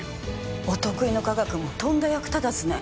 お得意の科学もとんだ役立たずね。